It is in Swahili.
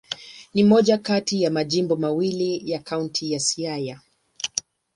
Ni moja kati ya majimbo mawili ya Kaunti ya Siaya.